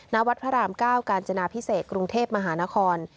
ณวัดพระราม๙กาญจนาพิเศษกรุงเทพมหานคร